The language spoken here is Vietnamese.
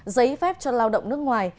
giấy phép cho lao động nước ngoài